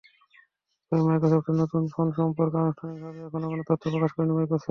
তবে, মাইক্রোসফটের নতুন ফোন সম্পর্কে আনুষ্ঠানিকভাবে এখনও কোনো তথ্য প্রকাশ করেনি মাইক্রোসফট।